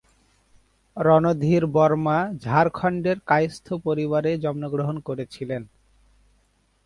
রণধীর বর্মা ঝাড়খণ্ডের কায়স্থ পরিবারে জন্মগ্রহণ করেছিলেন।